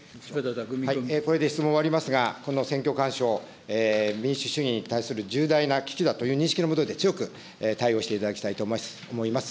これで質問を終わりますが、この選挙干渉、民主主義に対する重大な危機だという認識のもとで、強く対応していただきたいと思います。